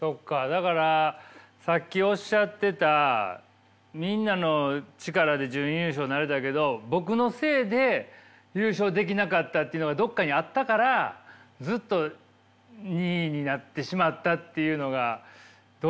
だからさっきおっしゃってたみんなの力で準優勝なれたけど僕のせいで優勝できなかったというのがどこかにあったからずっと２位になってしまったっていうのがどうしてもあるんですね。